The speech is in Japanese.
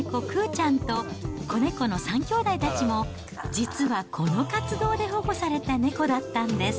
ちゃんと子猫の３兄弟たちも、実はこの活動で保護された猫だったんです。